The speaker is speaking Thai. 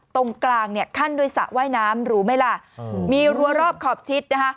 ตรงกลางเนี่ยขั้นด้วยสระว่ายน้ำรู้ไหมล่ะมีรัวรอบขอบชิดนะคะ